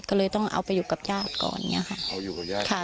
ก็เลยต้องเอาไปอยู่กับญาติก่อน